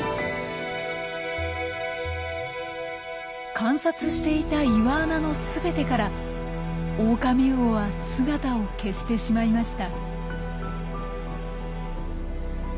観察していた岩穴の全てからオオカミウオは姿を消してしまいました。